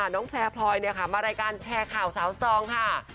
น้องแพลร์พลอยมารายการแชร์ข่าวสาวซองค่ะ